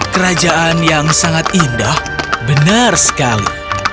kerajaan yang sangat indah benar sekali